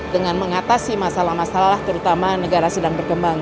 dengan mengatasi masalah masalah terutama negara sedang berkembang